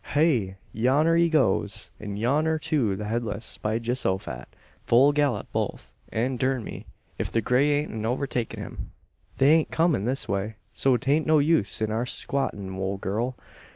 Heigh! Yonner he goes! An' yonner too the Headless, by Geehosophat! Full gallup both; an durn me, if the grey aint a overtakin' him! "They aint comin' this way, so 'tain't no use in our squattin', ole gurl.